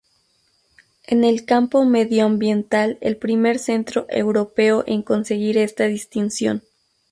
En el campo medioambiental el primer centro europeo en conseguir esta distinción.